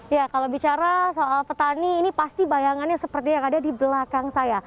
ya kalau bicara soal petani ini pasti bayangannya seperti yang ada di belakang saya